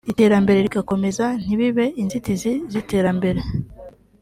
iterambere rigakomeza ntibibe inzitizi z’iterambere